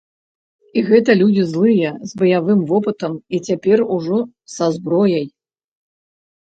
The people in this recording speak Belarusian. І гэта людзі злыя, з баявым вопытам і цяпер ужо са зброяй.